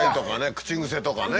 口癖とかね。